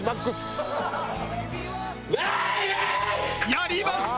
やりました！